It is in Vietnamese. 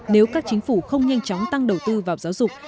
nếu các chính phủ không nhanh chóng tăng đầu tư vào giáo dục